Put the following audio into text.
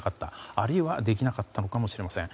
あるいはできなかったのかもしれません。